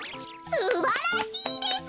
すばらしいです。